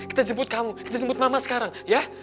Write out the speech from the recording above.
kita jemput kamu kita nyebut mama sekarang ya